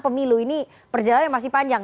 pemilu ini perjalanan masih panjang